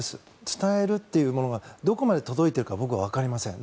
伝えるというものがどこまで届いているか僕はわかりません。